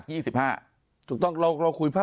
ที่ไม่มีนิวบายในการแก้ไขมาตรา๑๑๒